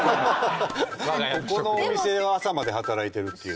ここのお店朝まで働いてるっていう。